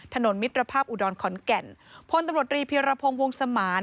มิตรภาพอุดรขอนแก่นพลตำรวจรีพิรพงศ์วงสมาน